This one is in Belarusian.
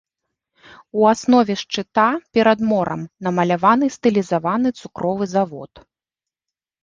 У аснове шчыта, перад морам, намаляваны стылізаваны цукровы завод.